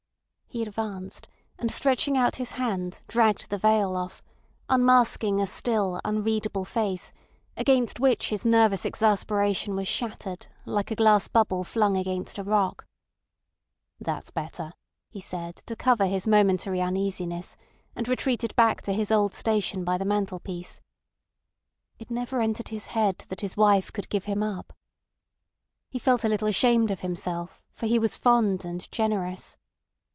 He advanced, and stretching out his hand, dragged the veil off, unmasking a still, unreadable face, against which his nervous exasperation was shattered like a glass bubble flung against a rock. "That's better," he said, to cover his momentary uneasiness, and retreated back to his old station by the mantelpiece. It never entered his head that his wife could give him up. He felt a little ashamed of himself, for he was fond and generous.